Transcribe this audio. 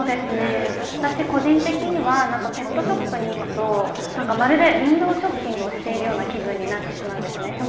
私個人的にはペットショップに行くとまるでウィンドーショッピングをしているような気分になってしまうんですね。